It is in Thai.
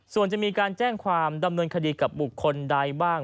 ส่วนจะมีการแจ้งความดำเนินคดีกับบุคคลใดบ้าง